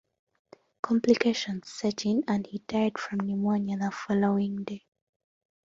Complications set in and he died from pneumonia the following day.